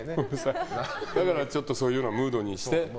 だから、そういうムードにして。